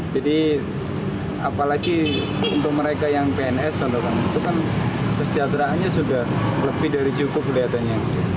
jadi apalagi untuk mereka yang pns itu kan kesejahteraannya sudah lebih dari cukup kelihatannya